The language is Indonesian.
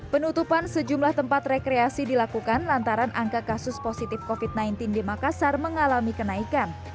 penutupan sejumlah tempat rekreasi dilakukan lantaran angka kasus positif covid sembilan belas di makassar mengalami kenaikan